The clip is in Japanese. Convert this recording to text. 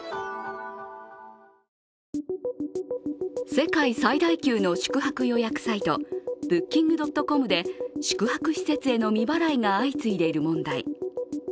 世界最大級の宿泊予約サイトＢｏｏｋｉｎｇ．ｃｏｍで宿泊施設への未払いが相次いでいる問題。